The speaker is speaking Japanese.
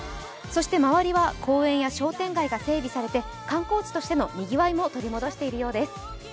周りは公園や商店街が整備されて観光地としてのにぎわいも取り戻しているようです。